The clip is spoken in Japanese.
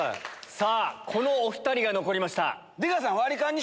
さぁこのお２人が残りました。